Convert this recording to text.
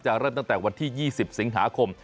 เริ่มตั้งแต่วันที่๒๐สิงหาคม